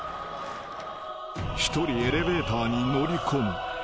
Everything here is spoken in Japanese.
［一人エレベーターに乗り込む。